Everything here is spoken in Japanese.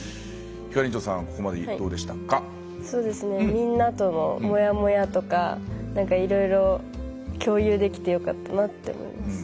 みんなとももやもやとか何かいろいろ共有できてよかったなって思います。